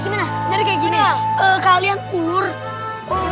jadi kayak gini kalian ulur